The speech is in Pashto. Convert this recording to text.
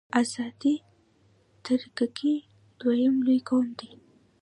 آذری ترکګي دویم لوی قوم دی.